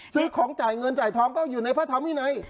ซื้อของจ่ายเงินจ่ายทองก็อยู่ในพระธรรมวินัย